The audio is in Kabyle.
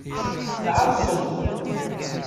Tɛeḍsemt.